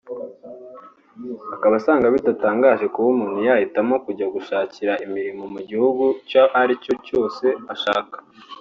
Akaba asanga bidatangaje kuba umuntu yahitamo kujya gushakira imirimo mu gihugu icyo ari cyo cyose ashaka